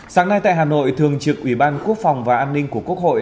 sáng nay tại hà nội thường trực ủy ban quốc phòng và an ninh của quốc hội